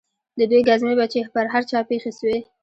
د دوى گزمې به چې پر هر چا پېښې سوې.